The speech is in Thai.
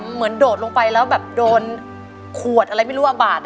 โดดลงไปแล้วแบบโดนขวดอะไรไม่รู้ว่าบาด